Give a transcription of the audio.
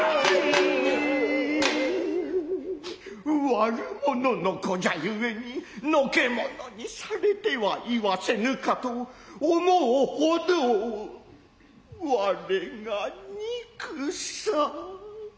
悪者の子じゃ故にのけ者にされては居はせぬかと思う程われが憎さ